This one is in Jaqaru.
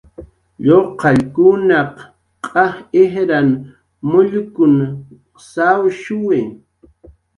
Lluqallkunaq q'aj ijran mullkunw sawshuwi